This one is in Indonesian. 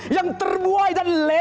yang terbuai dan lenang